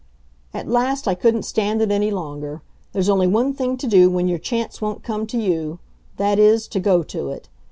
At last I couldn't stand it any longer. There's only one thing to do when your chance won't come to you; that is, to go to it.